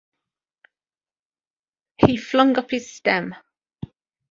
He flung up his stem.